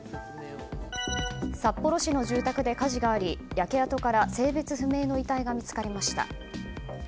札幌市の住宅で火事があり焼け跡から性別不明の遺体が見つかりました。